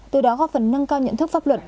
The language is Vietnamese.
từ đó góp phần nâng cao nhận thức pháp luật